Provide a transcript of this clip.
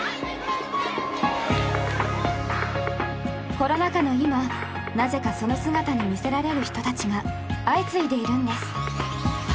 コロナ禍の今なぜかその姿に魅せられる人たちが相次いでいるんです。